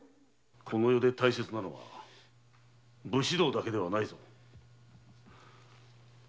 この世で大切なのは武士道だけではない。